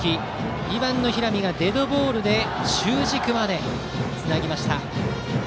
２番の平見がデッドボールで中軸までつなぎました。